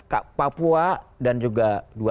pak papua dan juga